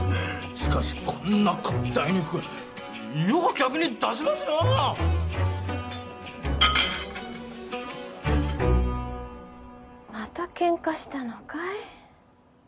しかしこんなかったい肉よう客に出しますのうまたケンカしたのかい？